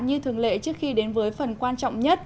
như thường lệ trước khi đến với phần quan trọng nhất